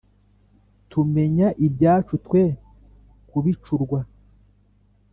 Tumenye ibyacu twe kubicurwa